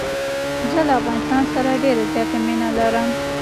زه له افغانستان سره ډېره زیاته مینه لرم.